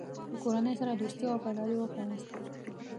د کورنۍ سره دوستي او وفاداري وښیاست.